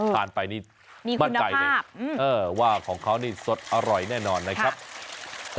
ทานไปนี่มั่นใจเลยว่าของเขานี่สดอร่อยแน่นอนนะครับ